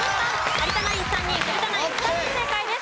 有田ナイン３人古田ナイン２人正解です。